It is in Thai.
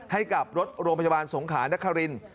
ให้กับรถโรงพยาบาลสงขานคริน